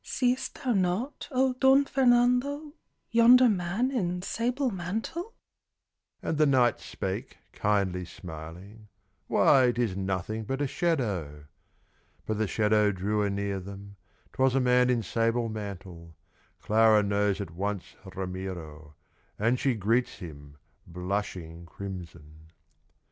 "See'st thou not, oh Don Fernando, Yonder man in sable mantle?" And the knight spake, kindly smiling, "Why, 'tis nothing but a shadow." But the shadow drew anear them, 'Twas a man in sable mantle. Clara knows at once Ramiro, And she greets him, blushing crimson.